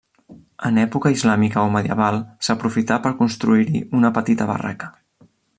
En època islàmica o medieval s'aprofità per construir-hi una petita barraca.